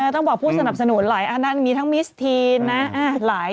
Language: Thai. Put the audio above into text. ต้องบอกผู้สนับสนุนหลายอันนั้นมีทั้งมิสทีนนะ